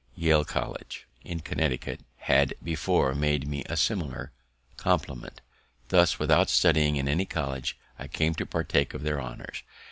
Yale College, in Connecticut, had before made me a similar compliment. Thus, without studying in any college, I came to partake of their honours.